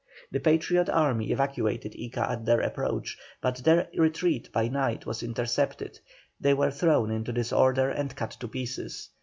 The Patriot army evacuated Ica at their approach, but their retreat by night was intercepted, they were thrown into disorder and cut to pieces.